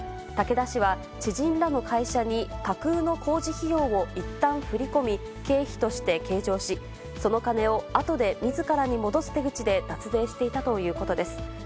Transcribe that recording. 竹田氏は、知人らの会社に架空の工事費用をいったん振り込み、経費として計上し、その金をあとでみずからに戻す手口で脱税していたということです。